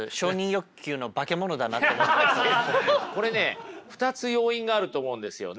これね２つ要因があると思うんですよね。